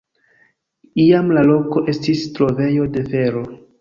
Iam la loko estis trovejo de fero.